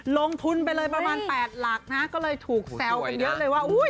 ลงทุนไปเลยประมาณ๘หลักนะก็เลยถูกแซวกันเยอะเลยว่า